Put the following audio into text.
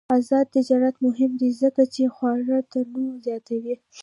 آزاد تجارت مهم دی ځکه چې خواړه تنوع زیاتوي.